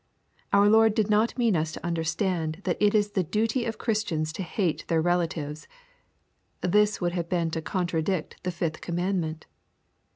Our Lord did not mean us to understand that it is the duty of Christians to hate their relatives. This would have been to contradict the fifth commandment.